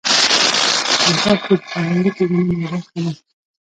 دښتې د فرهنګي پیژندنې یوه برخه ده.